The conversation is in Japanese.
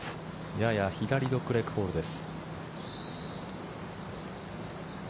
やや左ドッグレッグホールです。